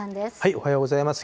おはようございます。